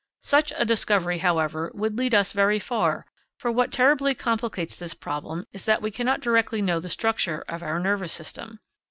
Such a discovery, however, would lead us very far, for what terribly complicates this problem is that we cannot directly know the structure of our nervous system.